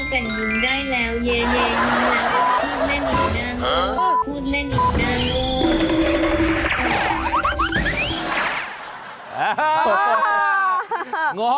พูดเล่นหน่อยนะโอ้พูดเล่นหนึ่งนะโอ้